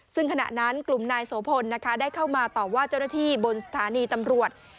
ซึ่งขณะนั้นกลุ่มนายโสพลนะคะได้เข้ามาตอบว่าเจ้าหน้าที่บนสถานีตำรวจ